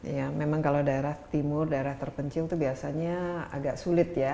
ya memang kalau daerah timur daerah terpencil itu biasanya agak sulit ya